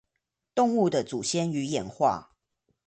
動物的祖先與演化